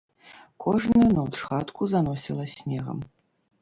Кожную ноч хатку заносіла снегам.